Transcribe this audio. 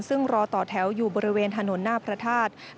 ซึ่งรอต่อแถวอยู่บริเวณถนนหน้าพระธาตุ